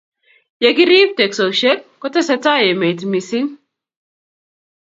Ye kirib teksosiek, kotesetai emet misisng